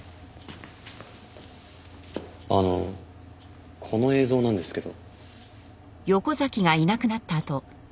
あのこの映像なんですけど。